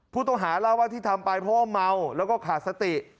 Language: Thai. ผู้ต้องหาเล่าว่าที่ทำไปเพราะว่าเมาแล้วก็ขาดสติ